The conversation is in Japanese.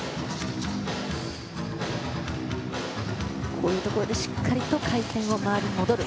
こういうところでしっかりと回転を回って戻る。